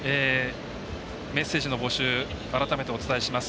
メッセージの募集改めてお伝えします。